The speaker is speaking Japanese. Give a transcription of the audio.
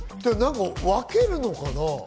分けるのかな？